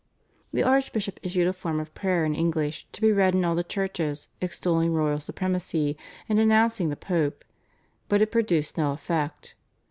The archbishop issued a form of prayer in English to be read in all the churches, extolling royal supremacy and denouncing the Pope, but it produced no effect.